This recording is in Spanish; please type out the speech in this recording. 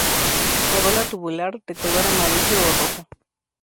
Corola tubular, de color amarillo o rojo.